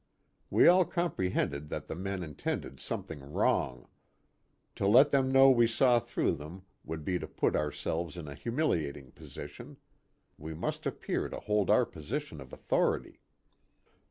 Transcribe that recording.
We all comprehended that the men intended something wrong. To let them know we saw through them would be to put ourselves in a humiliating position we must appear to hold our position of authority.